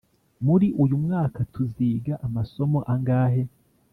Muri uyu mwaka tuziga amasomo angahe?